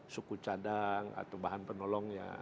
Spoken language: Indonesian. suku cadang atau bahan penolongnya